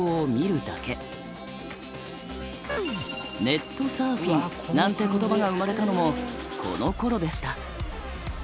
「ネットサーフィン」なんて言葉が生まれたのもこのころでした。